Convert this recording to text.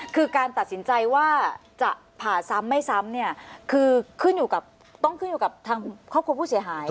คือการตัดสินใจว่าจะผ่าซ้ำไม่ซ้ำเนี่ยคือขึ้นอยู่กับต้องขึ้นอยู่กับทางครอบครัวผู้เสียหาย